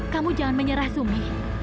kamu jangan menyerah sumi